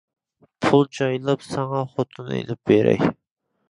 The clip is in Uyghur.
پۇل جايلاپ ساڭا خوتۇن ئېلىپ بېرەي.